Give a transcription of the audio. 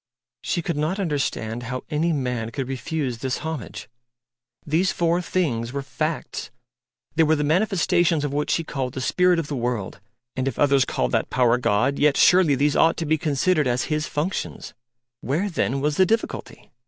She could not understand how any man could refuse this homage. These four things were facts they were the manifestations of what she called the Spirit of the World and if others called that Power God, yet surely these ought to be considered as His functions. Where then was the difficulty?